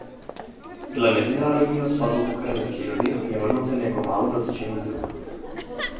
Dle Mezinárodního svazu ochrany přírody je hodnocen jako málo dotčený druh.